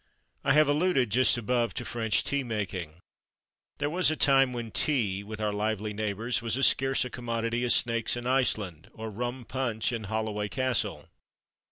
I have alluded, just above, to French tea making. There was a time when tea, with our lively neighbours, was as scarce a commodity as snakes in Iceland or rum punch in Holloway Castle.